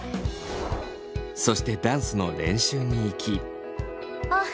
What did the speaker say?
そしてダンスの練習に行き。